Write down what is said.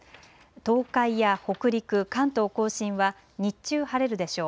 東海や北陸、関東甲信は日中晴れるでしょう。